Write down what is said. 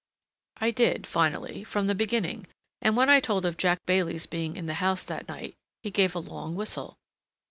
I did, finally, from the beginning, and when I told of Jack Bailey's being in the house that night, he gave a long whistle.